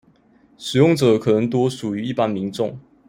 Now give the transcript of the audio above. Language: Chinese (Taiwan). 使用者可能多屬一般民眾